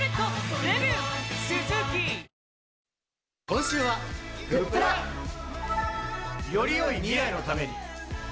今週はグップラ。よりよい未来のために。